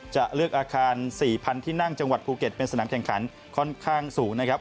จะเลือกอาคาร๔๐๐๐ที่นั่งจังหวัดภูเก็ตเป็นสนามแข่งขันค่อนข้างสูงนะครับ